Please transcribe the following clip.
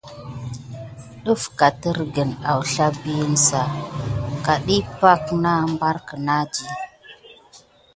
Dəf katergən awsla biyin sa? Ka diy pay na bare kidanti.